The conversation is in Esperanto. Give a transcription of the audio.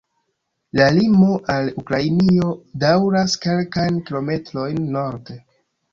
La limo al Ukrainio daŭras kelkajn kilometrojn norde.